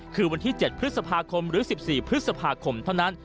คือวันที่๗พฤษภาคมหรือ๑๔พฤษภาคมเท่านั้น